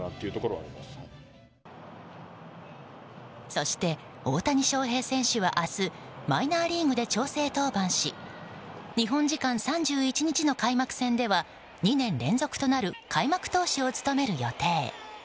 そして、大谷翔平選手は明日マイナーリーグで調整登板し日本時間３１日の開幕戦では２年連続となる開幕投手を務める予定。